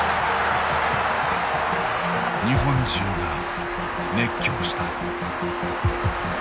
日本中が熱狂した。